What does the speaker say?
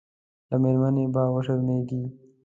له مېرمنې به وشرمېږي.